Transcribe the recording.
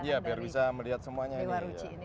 iya biar bisa melihat semuanya ini